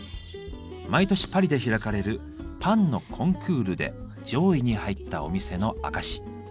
毎年パリで開かれるパンのコンクールで上位に入ったお店の証し。